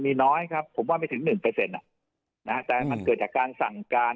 มีน้อยครับผมว่าไม่ถึง๑นะแต่มันเกิดจากการสั่งการ